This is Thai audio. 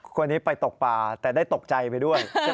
คนนี้ไปตกปลาแต่ได้ตกใจไปด้วยใช่ไหม